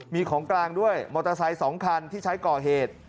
มีของกลางด้วยมอเตอร์ไซค์๒คันที่ใช้ก่อเหตุ